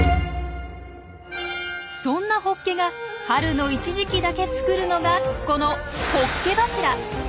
そんなホッケが春の一時期だけ作るのがこの「ホッケ柱」。